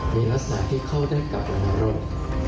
มีลักษณะที่เข้าได้กับอาณาโรค